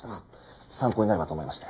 参考になればと思いまして。